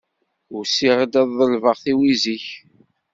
Usiɣ-d ad ḍelbeɣ tiwizi-k.